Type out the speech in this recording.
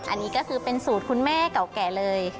อันนี้ก็คือเป็นสูตรคุณแม่เก่าแก่เลย